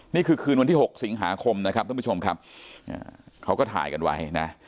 นี่คือคืนวันที่๖สิงหาคมเขาก็ถ่ายกันไว้